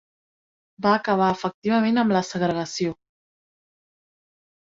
Va acabar efectivament amb la segregació.